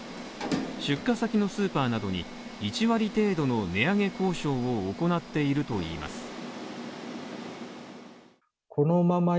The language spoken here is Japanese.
出荷先のスーパーなどに１割程度の値上げ交渉を行っているといいます。